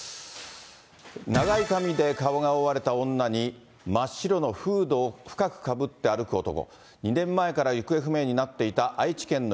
長い髪で顔が覆われた女に、真っ白のフードを深くかぶって歩く男。